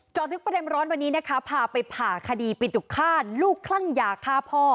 ลึกประเด็นร้อนวันนี้นะคะพาไปผ่าคดีปิดุกฆ่าลูกคลั่งยาฆ่าพ่อ